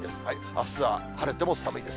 あすは晴れても寒いです。